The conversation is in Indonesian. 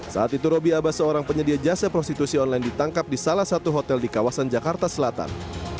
saat itu roby abbas seorang penyedia jasa prostitusi online ditangkap di salah satu hotel di kawasan jakarta selatan